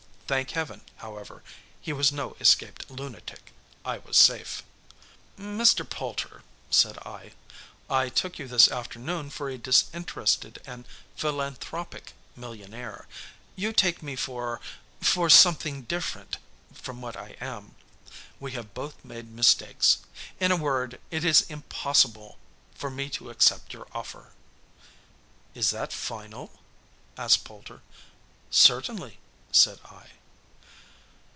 Thank Heaven, however, he was no escaped lunatic. I was safe! "Mr. Poulter," said I, "I took you this afternoon for a disinterested and philanthropic millionaire; you take me for for something different from what I am. We have both made mistakes. In a word, it is impossible for me to accept your offer!" "Is that final?" asked Poulter. "Certainly," said I.